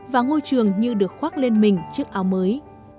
và ngôi trường như được khoác lên mình chiếc áo mới